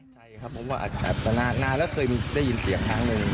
ใช่ครับเพราะว่านานแล้วเคยได้ยินเสียงทางหนึ่ง